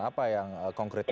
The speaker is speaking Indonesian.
apa yang konkretnya